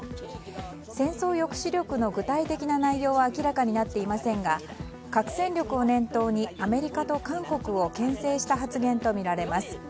戦争抑止力の具体的な内容は明らかになっていませんが核戦力を念頭にアメリカと韓国を牽制した発言とみられます。